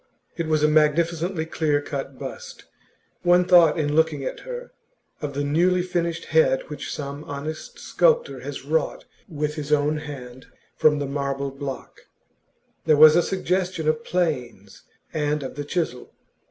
It was a magnificently clear cut bust; one thought, in looking at her, of the newly finished head which some honest sculptor has wrought with his own hand from the marble block; there was a suggestion of 'planes' and of the chisel.